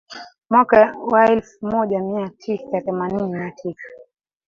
Mwaka wa elfu moja mia tisa themanini na tisa